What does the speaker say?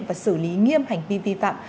và xử lý nghiêm hành vi vi phạm